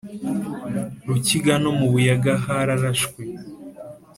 Rukiga no mu Buyaga hararashwe